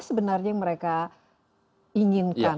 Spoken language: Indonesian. sebenarnya yang mereka inginkan